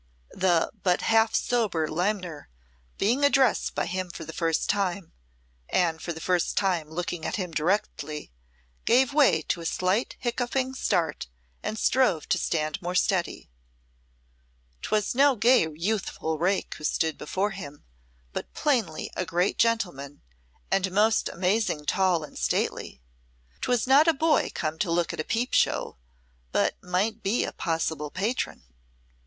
The but half sober limner being addressed by him for the first time, and for the first time looking at him directly, gave way to a slight hiccoughing start and strove to stand more steady. 'Twas no gay youthful rake who stood before him, but plainly a great gentleman, and most amazing tall and stately. 'Twas not a boy come to look at a peep show, but might be a possible patron.